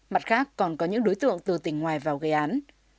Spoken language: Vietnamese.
mặt khác còn có những đối tượng từ tỉnh ngoài vào gây án